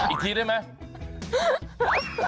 อีกทีได้ไหม